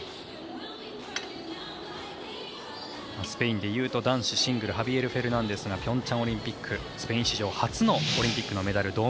スペインでいうと男子シングルのハビエル・フェルナンデスがピョンチャンオリンピックスペイン史上初のオリンピックのメダル。